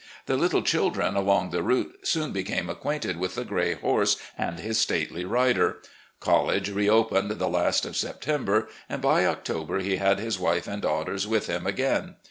The little children along his route soon became acquainted with the gray horse and his stately rider. College reopened the last of September, and by October he had his wife and daughters with him again.